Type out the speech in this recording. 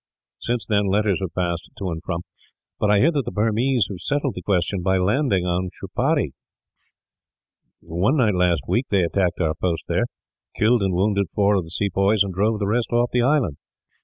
"Since then letters have passed to and fro, but I hear that the Burmese have settled the question by landing on Shapuree. One night last week they attacked our post there, killed and wounded four of the sepoys, and drove the rest off the island.